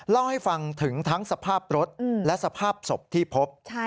เล่าให้ฟังถึงทั้งสภาพรถและสภาพศพที่พบ